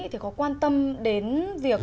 thì có quan tâm đến việc